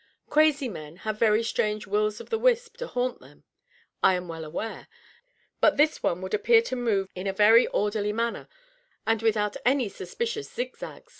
Crazy men have very strange wills^' the wisp to haunt them, I am well aware, but this one would appear to move in a very orderly manner and without any suspicious zigzag."